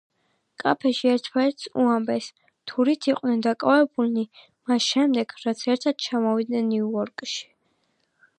კაფეში ერთმანეთს უამბეს, თუ რით იყვნენ დაკავებულნი მას შემდეგ, რაც ერთად ჩამოვიდნენ ნიუ-იორკში.